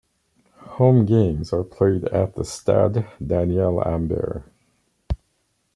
Home games are played at the Stade Daniel-Ambert.